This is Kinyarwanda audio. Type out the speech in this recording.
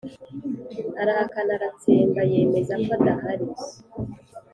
arahakana aratsemba, yemeza ko adahari